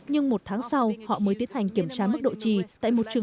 nhưng một tháng sau họ mới tiến hành kiểm tra mức độ trì